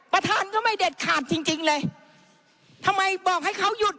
ท่านก็ไม่เด็ดขาดจริงจริงเลยทำไมบอกให้เขาหยุด